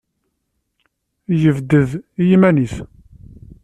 Yebded i yiman-nnes.